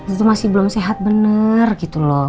itu masih belum sehat benar gitu loh